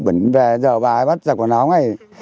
bẩn về giờ bà ấy bắt ra quần áo ngay